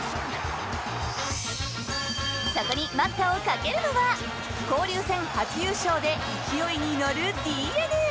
そこに待ったをかけるのは交流戦初優勝で勢いに乗るＤｅＮＡ。